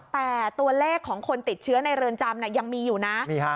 แต่ตัวเลขของคนติดเชื้อในเรือนจำยังมีอยู่นะ